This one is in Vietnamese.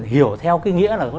hiểu theo cái nghĩa là